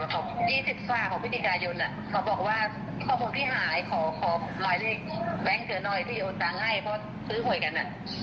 วันที่เท่าไหร่วันที่๒๔ของพี่นิกายนเขาบอกว่าข้อมูลที่หายขอร้อยเลขแบงค์เจอหน่อยที่จะอดตาร์ง่ายเพราะซื้อผ่วยกัน